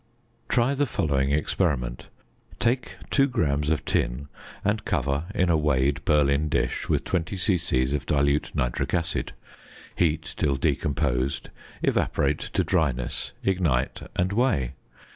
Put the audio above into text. Try the following experiment: Take 2 grams of tin and cover in a weighed Berlin dish with 20 c.c. of dilute nitric acid, heat till decomposed, evaporate to dryness, ignite, and weigh.